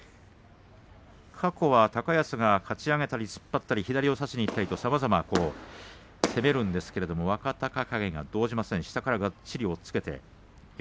過去は高安が、かち上げたり突っ張ったり左から差しにいったりといろいろ攻めるんですが若隆景が動じません。